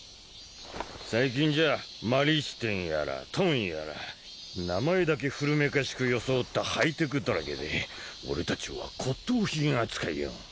最近じゃ摩利支天やら遁やら名前だけ古めかしく装ったハイテクだらけで俺達は骨とう品扱いよ